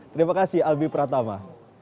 terima kasih albi pratama